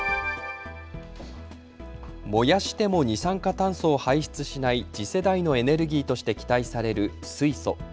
燃やしても二酸化炭素を排出しない次世代のエネルギーとして期待される水素。